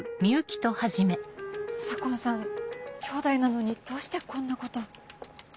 左紺さん兄弟なのにどうしてこんなことを。